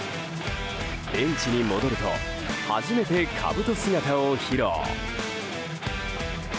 ベンチに戻ると初めてかぶと姿を披露。